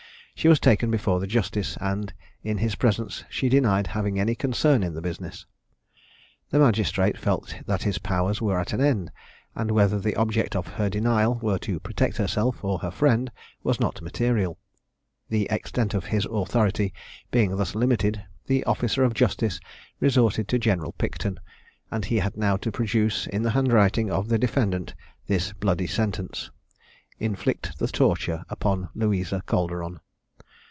She was taken before the justice, and, in his presence, she denied having any concern in the business. The magistrate felt that his powers were at an end; and whether the object of her denial were to protect herself, or her friend, was not material. The extent of his authority being thus limited, the officer of justice resorted to General Picton; and he had now to produce, in the handwriting of the defendant, this bloody sentence: "Inflict the torture upon Louisa Calderon."